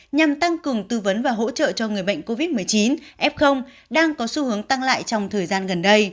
nhằm tăng cường tư vấn và hỗ trợ cho người bệnh covid một mươi chín f đang có xu hướng tăng lại trong thời gian gần đây